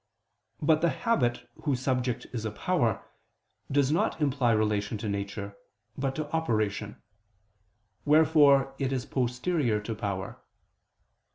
But the habit whose subject is a power, does not imply relation to nature, but to operation. Wherefore it is posterior to power.